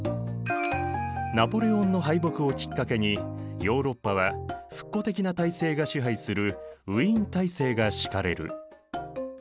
ナポレオンの敗北をきっかけにヨーロッパは復古的な体制が支配するウィーン体制が敷かれる。